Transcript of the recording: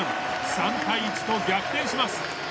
３対１と逆転します。